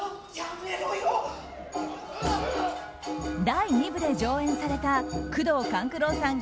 第２部で上演された宮藤官九郎さん